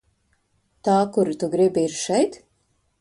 Tā kuru tu gribi, ir šeit?